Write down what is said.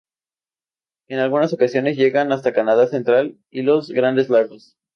En algunas ocasiones llegan hasta Canadá central y los grandes lagos.